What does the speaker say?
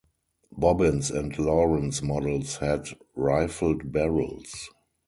Bobbins and Lawrence models had rifled barrels.